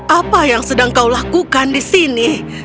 apa yang sedang kau lakukan di sini